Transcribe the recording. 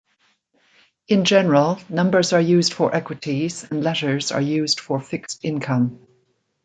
In general, numbers are used for equities and letters are used for fixed income.